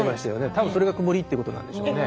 多分それが曇りってことなんでしょうね。